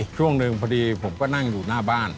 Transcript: ช่วงหนึ่งพอดีผมก็นั่งอยู่หน้าบ้าน